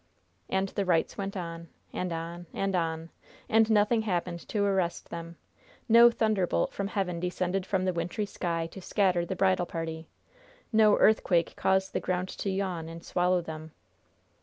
And the rites went on, and on, and on, and nothing happened to arrest them no thunderbolt from heaven descended from the wintry sky to scatter the bridal party no earthquake caused the ground to yawn and swallow them.